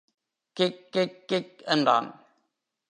Kick kick kick என்றான்.